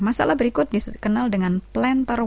masalah berikut dikenal dengan planter